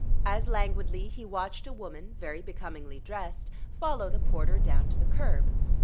As languidly he watched a woman, very becomingly dressed, follow the porter down to the curb.